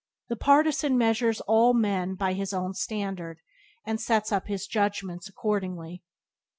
The partisan measures all men by his own standard, and sets up his judgments accordingly.